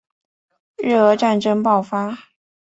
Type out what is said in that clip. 日俄战争爆发